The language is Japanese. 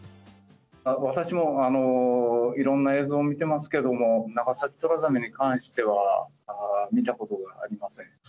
私もいろんな映像を見てますけども、ナガサキトラザメに関しては見たことがありません。